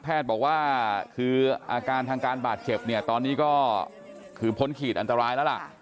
บอกว่าคืออาการทางการบาดเจ็บเนี่ยตอนนี้ก็คือพ้นขีดอันตรายแล้วล่ะ